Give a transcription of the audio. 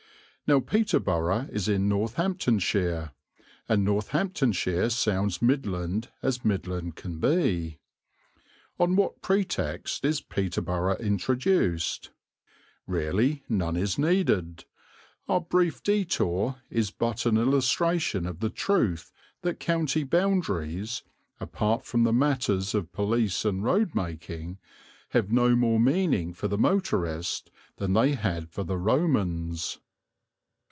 Now Peterborough is in Northamptonshire, and Northamptonshire sounds Midland as Midland can be. On what pretext is Peterborough introduced? Really none is needed; our brief detour is but an illustration of the truth that county boundaries, apart from the matters of police and road making, have no more meaning for the motorist than they had for the Romans.